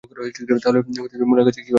তাহলে মলের কাজ কীভাবে হবে?